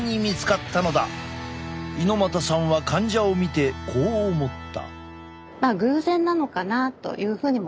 猪又さんは患者を見てこう思った。